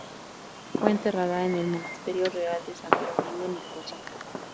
Fue enterrada en el Monasterio Real de Santo Domingo en Nicosia.